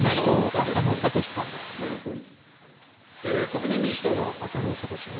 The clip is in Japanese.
国民民主党、浅野君。